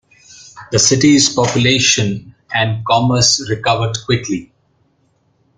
The city's population and commerce recovered quickly.